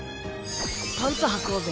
パンツはこうぜ。